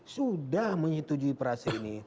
sudah menyetujui prase ini